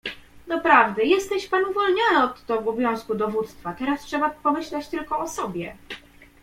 "Doprawdy, jesteś pan uwolniony od obowiązku dowództwa, teraz trzeba pomyśleć tylko o sobie."